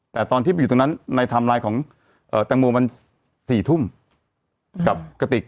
แต่ตอนที่ไปอยู่ตรงนั้นในไทม์ไลน์ของแตงโมมัน๔ทุ่มกับกระติก